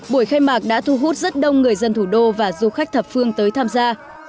buổi khai mạc đã thu hút rất đông người dân thủ đô và du khách thập phương tới tham gia